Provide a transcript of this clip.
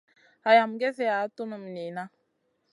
Hayam gezeya tunum niyna.